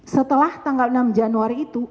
setelah tanggal enam januari itu